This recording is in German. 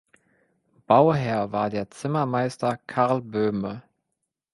Bauherr war der Zimmermeister Carl Böhme.